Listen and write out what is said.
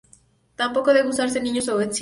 Tampoco debe usarse en niños o ancianos.